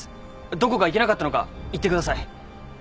どこがいけなかったのか言ってください。